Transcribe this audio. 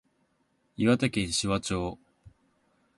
岩手県紫波町